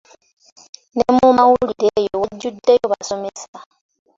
Ne mu mawulire eyo wajjuddeyo basomesa.